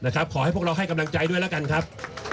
ขอให้พวกเราให้กำลังใจด้วยแล้วกันครับ